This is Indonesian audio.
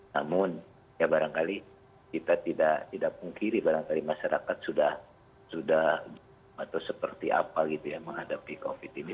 namun ya barangkali kita tidak pungkiri barangkali masyarakat sudah atau seperti apa gitu ya menghadapi covid ini